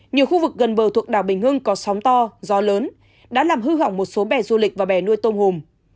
nhiều khu vực gần bờ thuộc đảo bình hưng có sóng to gió lớn đã làm hư hỏng một số bè du lịch và bè nuôi tôm hùm